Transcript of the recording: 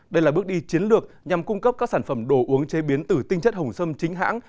đây là bước đi chiến lược nhằm cung cấp các sản phẩm đồ uống chế biến từ tinh chất hồng sâm chính hãng